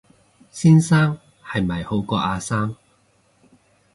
先生係咪好過阿生